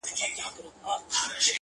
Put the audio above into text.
• تا پټ کړی تر خرقې لاندي تزویر دی,